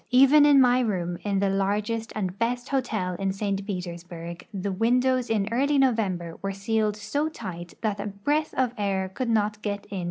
Even in my room, in the largest and best hotel in St. Petersburg, the windows in early November Avere sealed so tight that a breath of air could not get in.